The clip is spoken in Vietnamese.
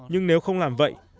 nhưng nếu không làm vậy